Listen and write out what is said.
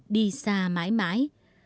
đi xa mãi mãi